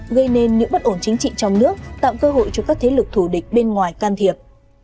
gây nên những bất ổn chính trị trong nước tạo cơ hội cho các thế lực thủ địch bên ngoài can thiệp